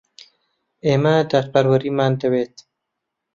ئێمە دادپەروەریمان دەوێت.